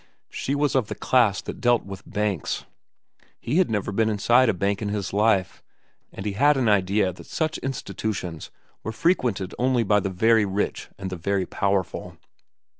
She was of the class that dealt with banks. He had never been inside a bank in his life, and he had an idea that such institutions were frequented only by the very rich and the very powerful.